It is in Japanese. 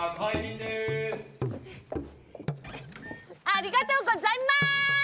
ありがとうございます！